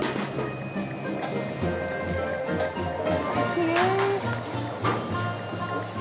きれい。